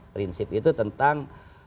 prinsip itu tentang